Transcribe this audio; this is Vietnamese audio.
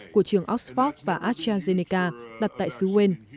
của trường oxford và astrazeneca đặt tại xứ u n